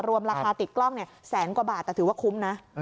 ราคาติดกล้องแสนกว่าบาทแต่ถือว่าคุ้มนะ